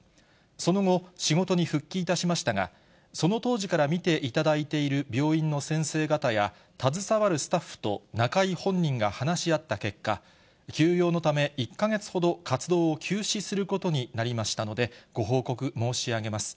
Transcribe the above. その後、仕事に復帰いたしましたが、その当時から診ていただいている病院の先生方や、携わるスタッフと中居本人が話し合った結果、休養のため、１か月ほど活動を休止することになりましたのでご報告申し上げます。